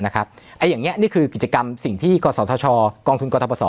นะครับอันอย่างเงี้ยนี่คือกิจกรรมสิ่งที่กฎศชกองทุนกฎศพศ